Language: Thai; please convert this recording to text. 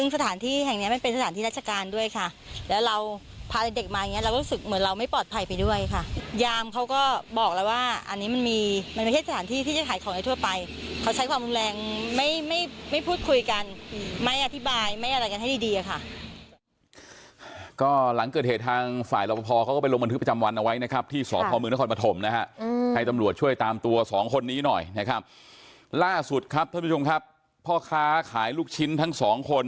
สถานที่รัชการด้วยค่ะแล้วเราพาเด็กมาอย่างเงี้ยเราก็รู้สึกเหมือนเราไม่ปลอดภัยไปด้วยค่ะยามเขาก็บอกแล้วว่าอันนี้มันมีมันเป็นเทศสถานที่ที่จะขายของในทั่วไปเขาใช้ความรุนแรงไม่ไม่ไม่พูดคุยกันไม่อธิบายไม่อะไรกันให้ดีดีอะค่ะก็หลังเกิดเหตุทางฝ่ายรบพอเขาก็ไปลงบันทึกประจำวันเอาไว้นะครับที่ส